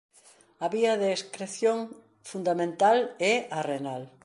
A vía de excreción fundamental é a renal.